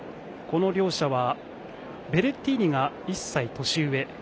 この両者は、ベレッティーニが１歳年上。